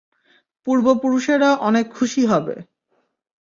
পূর্বপুরুষেরা অনেক খুশি হবে।